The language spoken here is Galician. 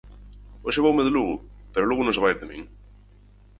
Hoxe voume de Lugo, pero Lugo non se vai ir de min.